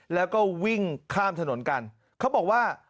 แล้วก็วิ่งข้ามถนนกันเขาบอกว่า